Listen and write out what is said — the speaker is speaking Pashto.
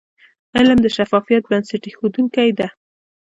علم د شفافیت بنسټ ایښودونکی د.